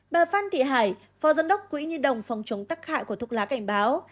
bà phan thị hải phó giám đốc quỹ nhi đồng phòng chống tắc hại của thuốc lá cảnh báo